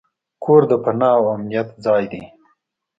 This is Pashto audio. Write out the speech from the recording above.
کور د پناه او امنیت ځای دی.